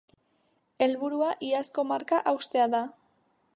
Helburua iazko marka haustea da.